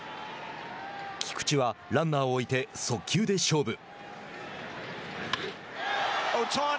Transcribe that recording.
菊池はランナーを置いて速球で勝負。